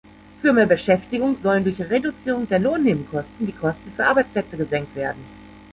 Für mehr Beschäftigung sollen durch Reduzierung der Lohnnebenkosten die Kosten für Arbeitsplätze gesenkt werden.